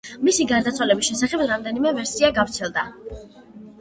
მისი გარდაცვალების შესახებ რამდენიმე ვერსია გავრცელდა.